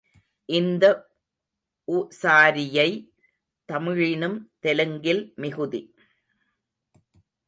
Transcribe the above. இந்த உ சாரியை, தமிழினும் தெலுங்கில் மிகுதி.